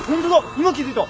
今気付いた。